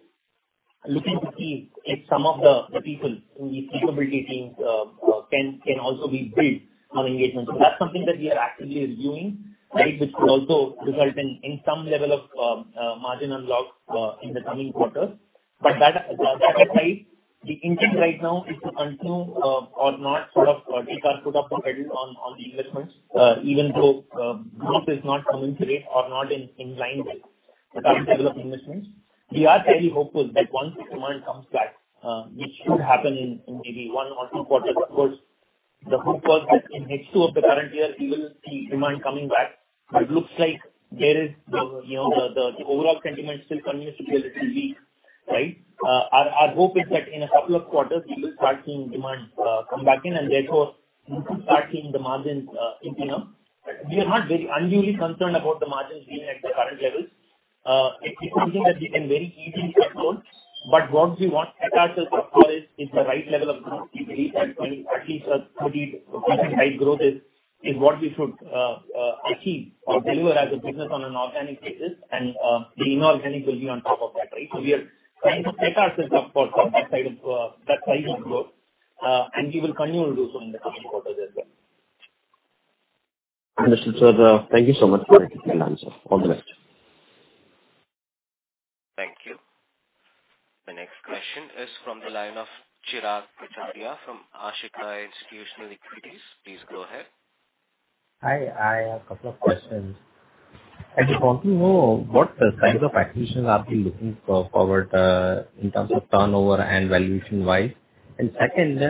looking to see if some of the people in these capability teams can also be billed on engagement. That's something that we are actively reviewing, right? Which could also result in some level of margin unlocks in the coming quarters. But that aside, the intent right now is to continue, or not sort of take our foot off the pedal on, on the investments, even though, growth is not coming through rate or not in, in line with the current level of investments. We are fairly hopeful that once the demand comes back, which should happen in, in maybe one or two quarters. Of course, the hope was that in H2 of the current year, we will see demand coming back, but it looks like there is the, you know, the, the overall sentiment still continues to be a little weak, right? Our, our hope is that in a couple of quarters, we will start seeing demand, come back in, and therefore start seeing the margins, improve. We are not very unusually concerned about the margins being at the current levels. It's something that we can very easily tackle. What we want to set ourselves up for is the right level of growth. We believe that 20, at least a 30-35 growth is what we should achieve or deliver as a business on an organic basis, and the inorganic will be on top of that, right? We are trying to set ourselves up for that side of growth and we will continue to do so in the coming quarters as well. Understood, sir. Thank you so much for the answer. All the best. Thank you. The next question is from the line of Chirag Kachhadiya from Ashika Institutional Equities. Please go ahead. Hi, I have a couple of questions. I just want to know what size of acquisitions are you looking for forward, in terms of turnover and valuation-wise. And second,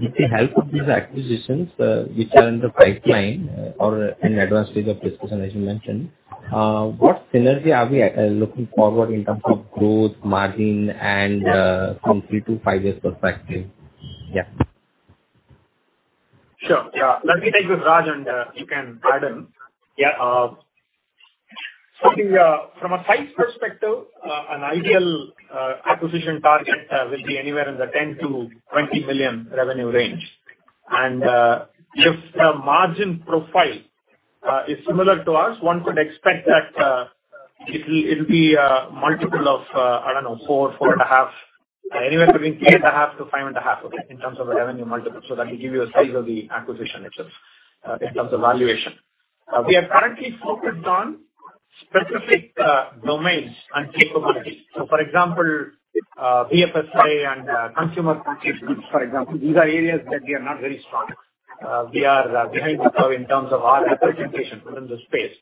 with the help of these acquisitions, which are in the pipeline or in advanced stage of discussion, as you mentioned, what synergy are we looking forward in terms of growth, margin, and from three to five years perspective? Yeah. Sure. Yeah. Let me take this, Raj, and you can add in. Yeah, so from a size perspective, an ideal acquisition target will be anywhere in the $10 million-$20 million revenue range. And if the margin profile is similar to us, one could expect that it'll be a multiple of, I don't know, four, four and a half, anywhere between three and a half to five and aa half, okay, in terms of the revenue multiple. So that will give you a size of the acquisition itself in terms of valuation. We are currently focused on specific domains and capabilities. So for example, BFSI and consumer packaged goods, for example, these are areas that we are not very strong. We are behind the curve in terms of our representation within the space,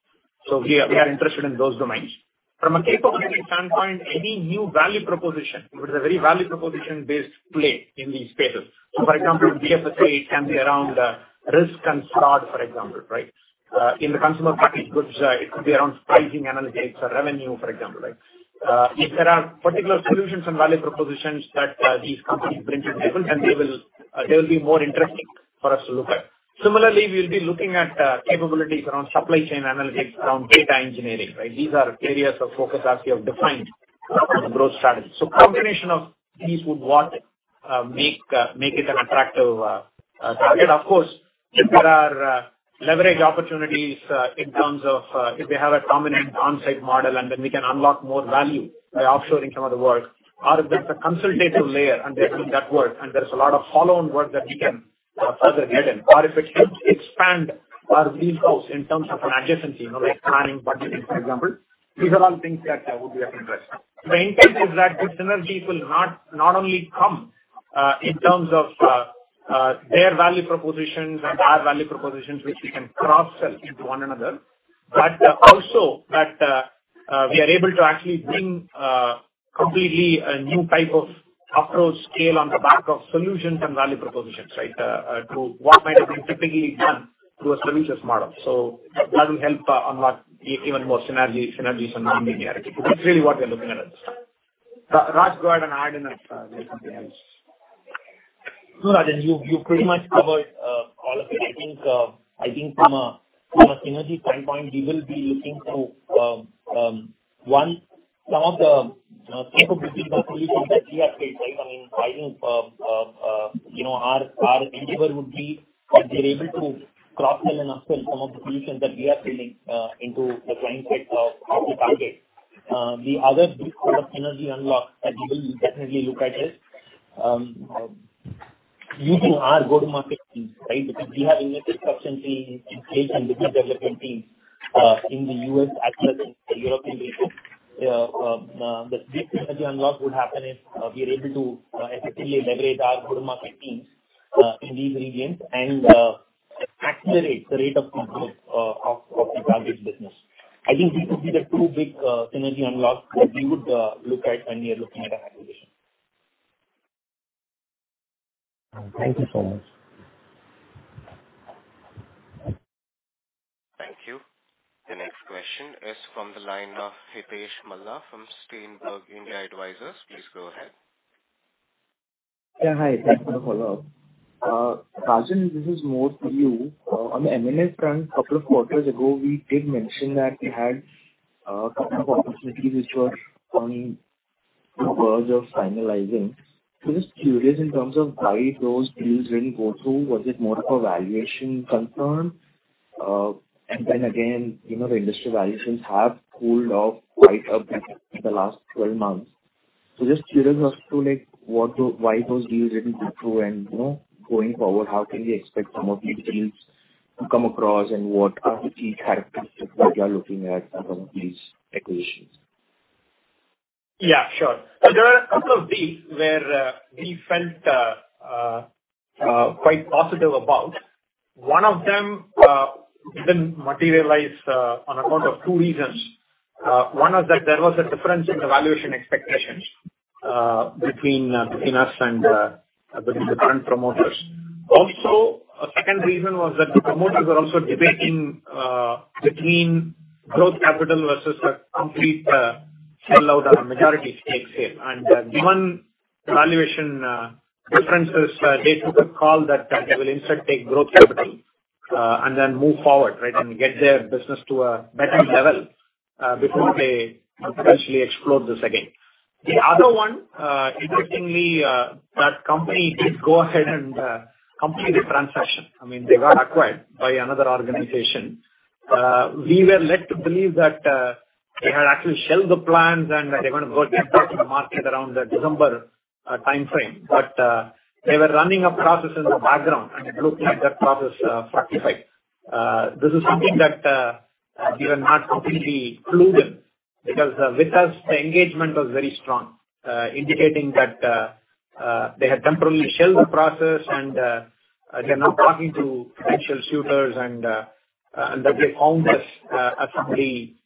so we are interested in those domains. From a capability standpoint, any new value proposition, it is a very value proposition-based play in these spaces. So for example, BFSI can be around risk and fraud, for example, right? In the consumer packaged goods, it could be around pricing, analytics, or revenue, for example, right? If there are particular solutions and value propositions that these companies bring to the table, then they will be more interesting for us to look at. Similarly, we'll be looking at capabilities around supply chain analytics, around data engineering, right? These are areas of focus as we have defined the growth strategy. So combination of these would make it an attractive target. Of course, if there are leverage opportunities in terms of if they have a dominant on-site model, and then we can unlock more value by offshoring some of the work, or if there's a consultative layer and doing that work, and there's a lot of follow-on work that we can further get in, or if it helps expand our reach out in terms of an adjacency, you know, like planning, budgeting, for example. These are all things that would be of interest. The intent is that the synergies will not only come in terms of their value propositions and our value propositions, which we can cross-sell into one another. But also that we are able to actually bring completely a new type of upscale on the back of solutions and value propositions, right? To what might have been typically done through a services model. So that will help unlock even more synergy, synergies and non-linearity. That's really what we are looking at. Raj, go ahead and add in, there's something else. No, Rajan, you, you pretty much covered all of it. I think, I think from a, from a synergy standpoint, we will be looking to one, some of the capabilities or solutions that we are creating. I mean, I think, you know, our, our endeavor would be if they're able to cross-sell and upsell some of the solutions that we are selling into the client set of, of the target. The other big sort of synergy unlock that we will definitely look at is using our go-to-market team, right? Because we have invested substantially in sales and business development teams in the U.S. as well as in the European region. This synergy unlock would happen if we are able to effectively leverage our go-to-market teams in these regions and accelerate the rate of growth of the target business. I think these would be the two big synergy unlocks that we would look at when we are looking at an acquisition. Thank you so much. Thank you. The next question is from the line of Hitesh Malla from Steinberg India Advisors. Please go ahead. Yeah. Hi, thanks for the follow-up. Rajan, this is more for you. On the M&A front, couple of quarters ago, we did mention that we had couple of opportunities which were on the verge of finalizing. So just curious in terms of why those deals didn't go through. Was it more of a valuation concern? And then again, you know, the industry valuations have cooled off quite a bit in the last 12 months. So just curious as to like, what the- why those deals didn't go through and, you know, going forward, how can we expect some of these deals to come across, and what are the key characteristics that you are looking at around these acquisitions? Yeah, sure. There are a couple of deals where we felt quite positive about. One of them didn't materialize on account of two reasons. One is that there was a difference in the valuation expectations between us and I believe the current promoters. Also, a second reason was that the promoters were also debating between growth capital versus a complete sellout or a majority stake sale. And given the valuation differences, they took a call that they will instead take growth capital and then move forward, right, and get their business to a better level before they potentially explore this again. The other one, interestingly, that company did go ahead and complete the transaction. I mean, they got acquired by another organization. We were led to believe that they had actually shelved the plans and they were going to go back to the market around the December timeframe. But they were running a process in the background, and it looked like that process fructified. This is something that we were not completely clued in, because with us, the engagement was very strong, indicating that they had temporarily shelved the process and they are now talking to actual suitors and that they found us as somebody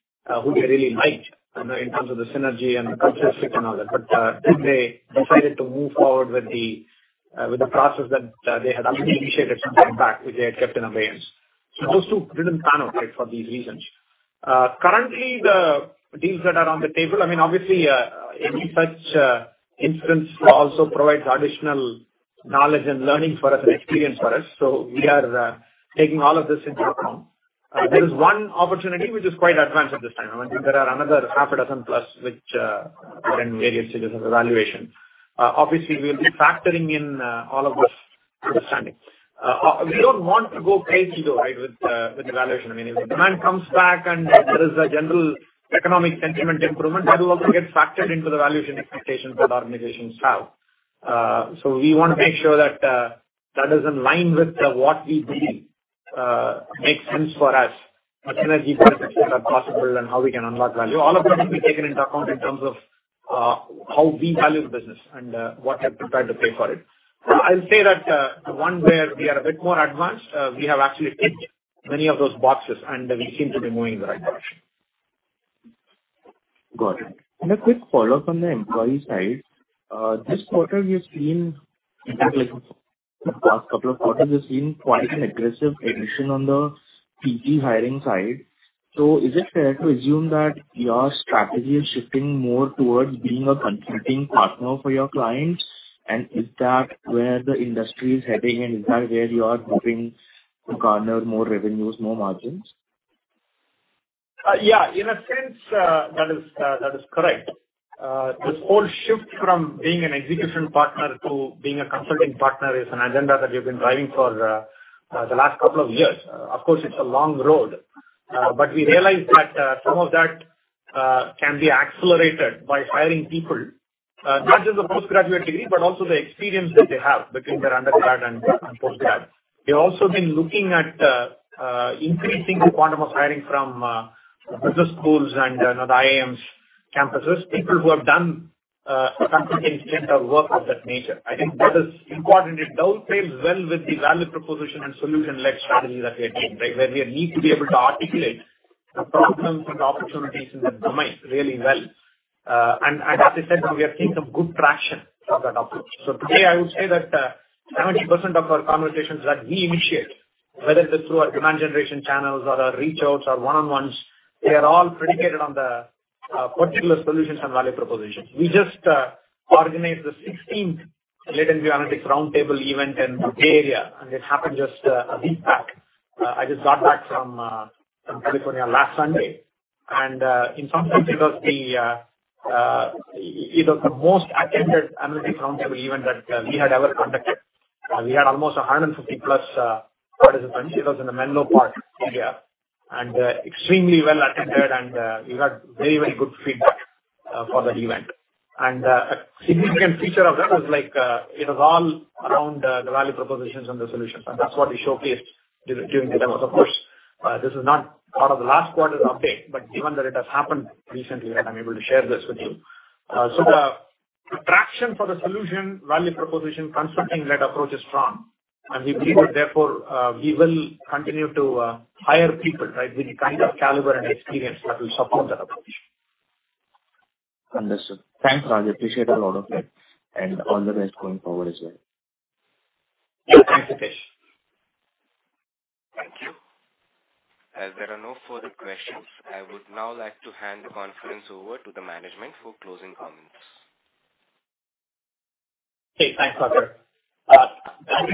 who they really liked in terms of the synergy and the culture fit and all that. But, then they decided to move forward with the, with the process that, they had already initiated sometime back, which they had kept in abeyance. So those two didn't pan out, right, for these reasons. Currently, the deals that are on the table, I mean, obviously, any such, instance also provides additional knowledge and learning for us and experience for us. So we are taking all of this into account. There is one opportunity which is quite advanced at this time. I think there are another half a dozen plus, which are in various stages of evaluation. Obviously, we will be factoring in all of this understanding. We don't want to go crazy, though, right, with, with the valuation. I mean, if demand comes back and there is a general economic sentiment improvement, that will also get factored into the valuation expectations that organizations have. So we want to make sure that that is in line with what we believe makes sense for us, what synergy benefits are possible and how we can unlock value. All of that will be taken into account in terms of how we value the business and what we are prepared to pay for it. I'll say that the one where we are a bit more advanced, we have actually ticked many of those boxes, and we seem to be moving in the right direction. Got it. A quick follow-up on the employee side. This quarter, we've seen, in fact, like the past couple of quarters, we've seen quite an aggressive addition on the PG hiring side. Is it fair to assume that your strategy is shifting more towards being a consulting partner for your clients? And is that where the industry is heading, and is that where you are hoping to garner more revenues, more margins? Yeah, in a sense, that is correct. This whole shift from being an execution partner to being a consulting partner is an agenda that we've been driving for the last couple of years. Of course, it's a long road, but we realized that some of that can be accelerated by hiring people, not just the postgraduate degree, but also the experience that they have between their undergrad and postgrad. We've also been looking at increasing the quantum of hiring from business schools and, you know, the IIMs campuses, people who have done a consulting stint or work of that nature. I think that is important. It dovetails well with the value proposition and solution-led strategy that we are taking, right? Where we need to be able to articulate the problems and opportunities in that domain really well. And as I said, we have seen some good traction of that approach. So today, I would say that seventy percent of our conversations that we initiate, whether it is through our demand generation channels or our reach outs or one-on-ones, they are all predicated on the particular solutions and value propositions. We just organized the 16th LatentView Analytics Roundtable event in Bay Area, and it happened just a week back. I just got back from from California last Sunday. And in some sense, it was the it was the most attended analytics roundtable event that we had ever conducted. We had almost a hundred and fifty plus participants. It was in the Menlo Park area, and, extremely well attended, and, we got very, very good feedback, for that event. And, a significant feature of that was like, it was all around, the value propositions and the solutions, and that's what we showcased during the demo. Of course, this is not part of the last quarter's update, but given that it has happened recently, I'm able to share this with you. So the traction for the solution, value proposition, consulting-led approach is strong, and we believe that therefore, we will continue to, hire people, right, with the kind of caliber and experience that will support that approach. Understood. Thanks, Rajan. Appreciate a lot of that and all the best going forward as well. Yeah, thanks, Hitesh. Thank you. As there are no further questions, I would now like to hand the conference over to the management for closing comments. Hey, thanks, Asha. I think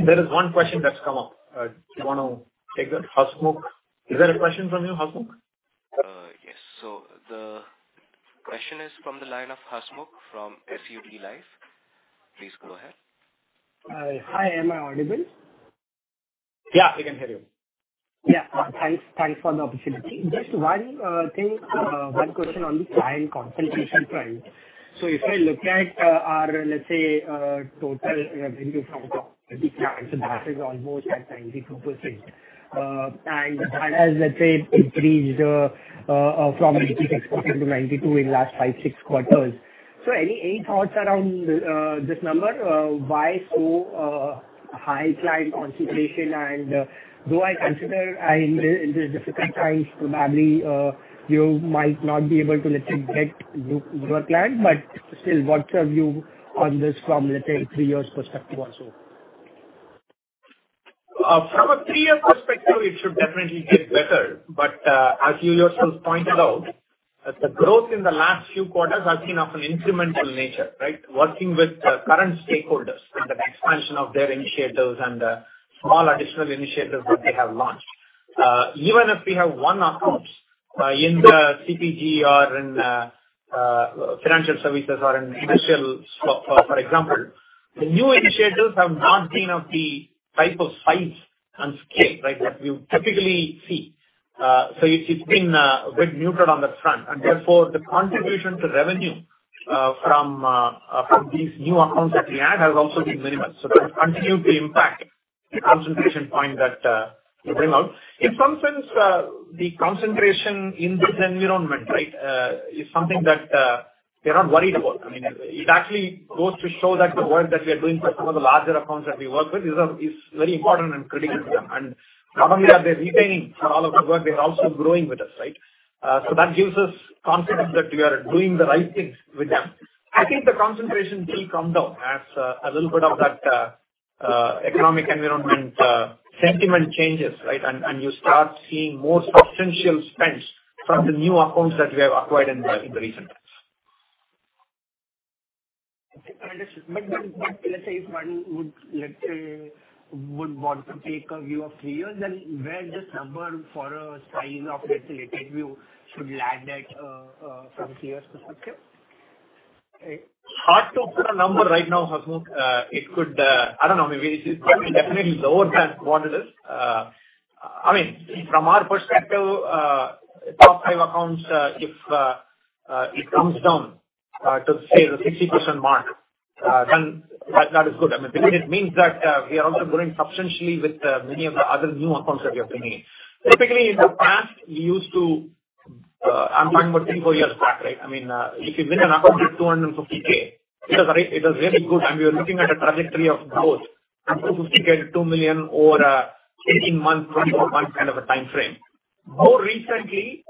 there is one question that's come up. Do you want to take that, Hasmukh? Is there a question from you, Hasmukh? Yes. So the question is from the line of Hasmukh from SUD Life. Please go ahead. Hi. Am I audible? Yeah, we can hear you. Yeah. Thanks, thanks for the opportunity. Just one thing, one question on the client concentration front. So if I look at our, let's say, total revenue from the top 30 clients, that is almost at 92%. And that has, let's say, increased from 86% to 92% in last five to six quarters. So any thoughts around this number? Why so high client concentration? And do I consider in this difficult times, probably you might not be able to, let's say, get new client, but still, what's your view on this from, let's say, three years perspective also? From a three-year perspective, it should definitely get better. But, as you yourself pointed out, the growth in the last few quarters has been of an incremental nature, right? Working with the current stakeholders and the expansion of their initiatives and the small additional initiatives that they have launched. Even if we have one account in the CPG or in financial services or in industrial, so for example, the new initiatives have not been of the type of size and scale, right, that we would typically see. So it's been a bit neutral on that front, and therefore, the contribution to revenue from these new accounts that we add has also been minimal. So that continued to impact the concentration point that you bring out. In some sense, the concentration in this environment, right, is something that we're not worried about. I mean, it actually goes to show that the work that we are doing for some of the larger accounts that we work with is very important and critical to them. And not only are they retaining all of the work, they're also growing with us, right? So that gives us confidence that we are doing the right things with them. I think the concentration will come down as a little bit of that economic environment sentiment changes, right? And you start seeing more substantial spends from the new accounts that we have acquired in the recent times. Let's say if one would, let's say, would want to take a view of three years, then where this number for a style of insulated view should land at, from three years perspective? Hard to put a number right now, Hasmukh. It could... I don't know, maybe this is probably definitely lower than what it is. I mean, from our perspective, top five accounts, if it comes down to say the 60% mark, then that, that is good. I mean, because it means that we are also growing substantially with many of the other new accounts that we have been in. Typically, in the past, we used to, I'm talking about three, four years back, right? I mean, if you win an account with $250,000, it was really good, and we were looking at a trajectory of growth from $250,000 to $2 million over 18 months, 24 months kind of a time frame. More recently,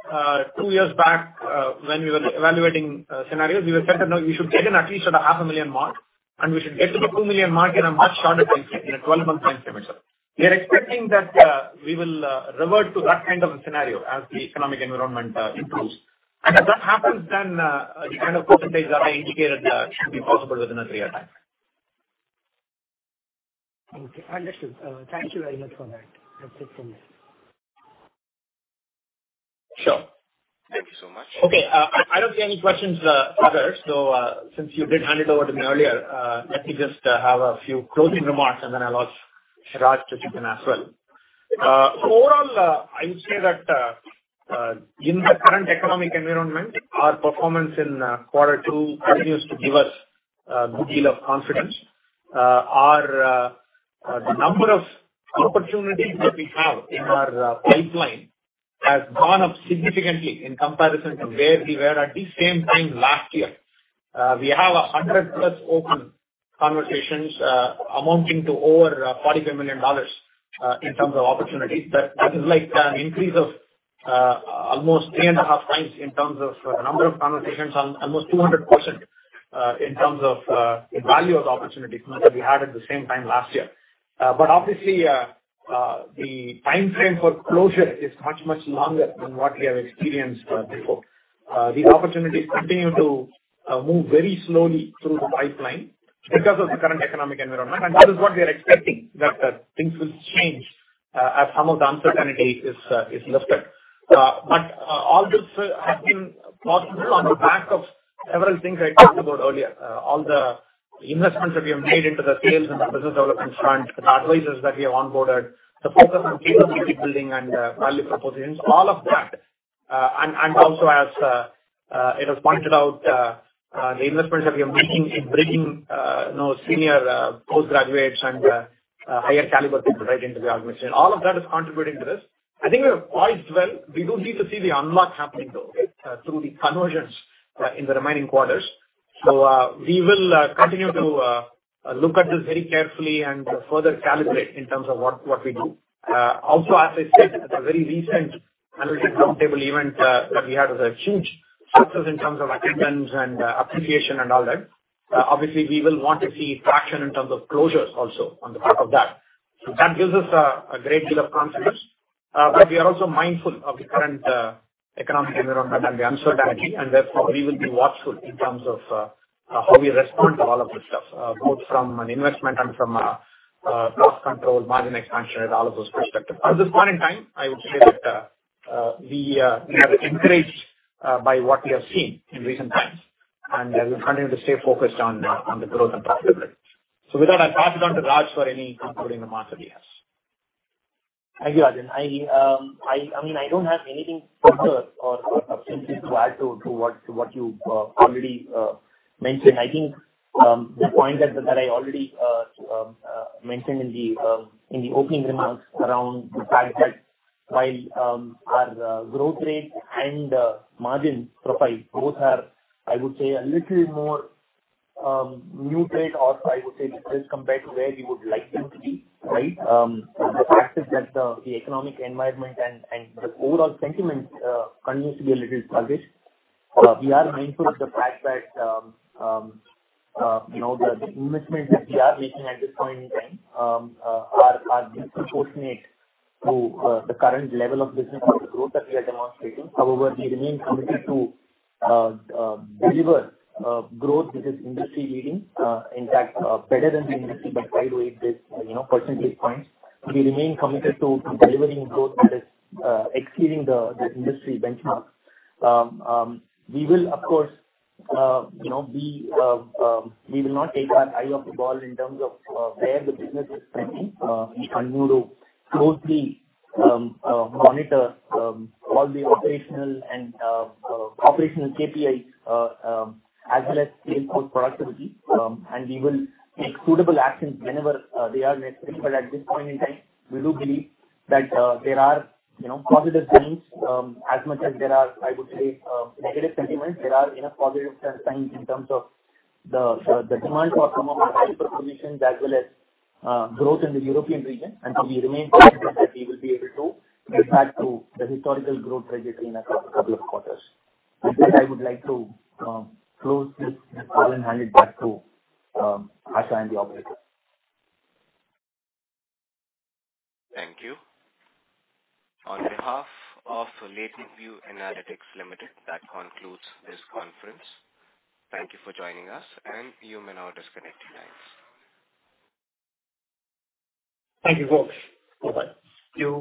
two years back, when we were evaluating scenarios, we were saying that, "No, we should get in at least at a $500,000 mark, and we should get to the $2 million mark in a much shorter time frame, in a 12-month time frame itself." We are expecting that we will revert to that kind of a scenario as the economic environment improves. And as that happens, then the kind of percentage that I indicated should be possible within a three year time. Okay, understood. Thank you very much for that. That's it from me. Sure. Thank you so much. Okay, I don't see any questions, others. So, since you did hand it over to me earlier, let me just have a few closing remarks, and then I'll ask Raj to chip in as well. So overall, I would say that in the current economic environment, our performance in quarter two continues to give us a good deal of confidence. Our the number of opportunities that we have in our pipeline has gone up significantly in comparison to where we were at the same time last year. We have 100-plus open conversations, amounting to over $45 million in terms of opportunities. That is like an increase of almost 3.5x in terms of number of conversations on almost 200% in terms of the value of the opportunities than what we had at the same time last year. But obviously, the time frame for closure is much, much longer than what we have experienced before. These opportunities continue to move very slowly through the pipeline because of the current economic environment, and that is what we are expecting, that things will change as some of the uncertainty is lifted. But all this has been possible on the back of several things I talked about earlier. All the investments that we have made into the sales and the business development front, the advisors that we have onboarded, the focus on capability building and value propositions, all of that. And also, as it was pointed out, the investments that we are making in bringing, you know, senior postgraduates and higher caliber people right into the organization. All of that is contributing to this. I think we are poised well. We do need to see the unlock happening, though, right, through the conversions in the remaining quarters. So, we will look at this very carefully and further calibrate in terms of what we do. Also, as I said, at a very recent roundtable event, that we had was a huge success in terms of attendance and, appreciation and all that. Obviously, we will want to see traction in terms of closures also on the back of that. So that gives us a great deal of confidence. But we are also mindful of the current, economic environment and the uncertainty, and therefore, we will be watchful in terms of, how we respond to all of this stuff, both from an investment and from a, cost control, margin expansion, and all of those perspectives. At this point in time, I would say that, we are encouraged by what we have seen in recent times, and, we continue to stay focused on the growth and profitability. With that, I'll pass it on to Raj for any concluding remarks of his. Thank you, Rajan. I mean, I don't have anything further or substantive to add to what you already mentioned. I think, the point that I already mentioned in the opening remarks around the fact that while, our growth rate and margin profile, both are, I would say, a little more neutral, or I would say this compared to where we would like them to be, right? The fact is that the economic environment and the overall sentiment continues to be a little sluggish. We are mindful of the fact that, you know, the investments that we are making at this point in time are disproportionate to the current level of business or the growth that we are demonstrating. However, we remain committed to deliver growth, which is industry-leading, in fact, better than the industry by wide weightage, you know, percentage points. We remain committed to delivering growth that is exceeding the industry benchmarks. We will, of course, you know, not take our eye off the ball in terms of where the business is spending. We continue to closely monitor all the operational KPIs, as well as sales force productivity. And we will take suitable actions whenever they are necessary. But at this point in time, we do believe that there are, you know, positive signs, as much as there are, I would say, negative sentiments. There are, you know, positive signs in terms of the demand for some of our value propositions as well as growth in the European region. And so we remain confident that we will be able to get back to the historical growth trajectory in a couple of quarters. With that, I would like to close this call and hand it back to Asha and the operator. Thank you. On behalf of Latent View Analytics Limited, that concludes this conference. Thank you for joining us, and you may now disconnect your lines. Thank you, folks. Bye-bye. Thank you.